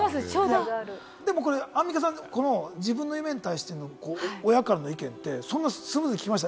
アンミカさん、自分の夢に対しての親からの意見ってそんなスムーズに聞けました？